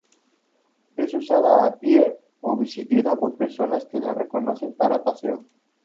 Es usada a pie o bicicleta por personas que la recorren para paseo.